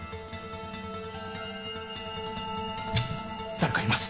誰かいます。